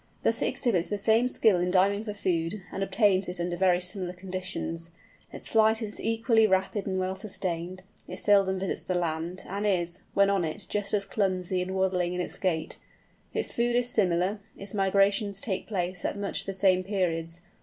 Thus it exhibits the same skill in diving for food, and obtains it under very similar conditions; its flight is equally rapid and well sustained; it seldom visits the land, and is, when on it, just as clumsy and waddling in its gait; its food is similar; its migrations take place at much the same periods.